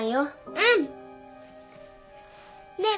うん。ねえ。